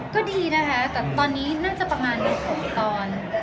ก็ดีนะคะแต่ตอนนี้น่าจะประมาณ๑๖ตอน